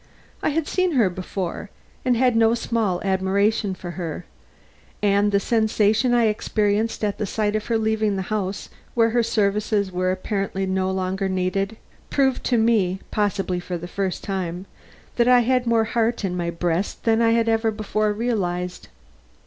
I had seen her before, and had no small admiration for her, and the sensations I experienced at the sight of her leaving the house where her services were apparently no longer needed, proved to me, possibly for the first time, that I had more heart in my breast than I had ever before realized.